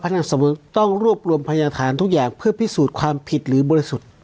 นักสำรวจต้องรวบรวมพยาฐานทุกอย่างเพื่อพิสูจน์ความผิดหรือบริสุทธิ์